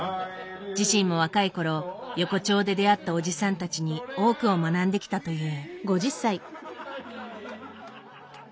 自身も若いころ横丁で出会ったおじさんたちに多くを学んできたという。